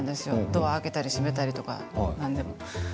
ドア開けたり閉めたりとか、なんでも。